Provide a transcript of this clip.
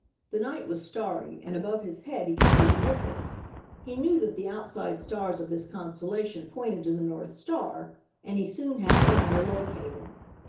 The night was starry, and above his head he could see The Dipper. He knew that the outside stars of this constellation pointed to the North Star and he soon had the latter located.